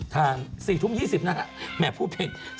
๔ทุ่ม๒๐นาทีแหมพูดผิด